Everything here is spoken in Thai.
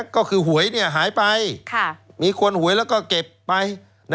ก็คือหวยหายไปมีคนหวยแล้วก็เก็บไป